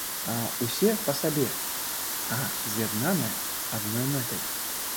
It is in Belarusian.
Усе па сабе, а з'яднаны адной мэтай.